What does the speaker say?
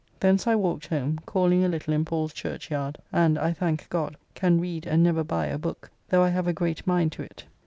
Thence I walked home, calling a little in Paul's Churchyard, and, I thank God, can read and never buy a book, though I have a great mind to it.